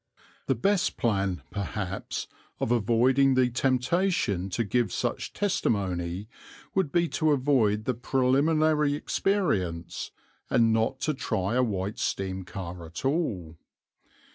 The best plan, perhaps, of avoiding the temptation to give such testimony would be to avoid the preliminary experience, and not to try a White steam car at all.